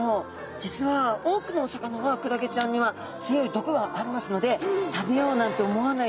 じつは多くのお魚はクラゲちゃんには強いどくがありますので食べようなんて思わない。